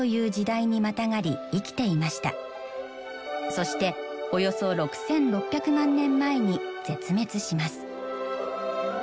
そしておよそ６，６００万年前に絶滅します。